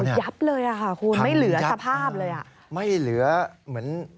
ยับเลยค่ะคุณไม่เหลือสภาพเลย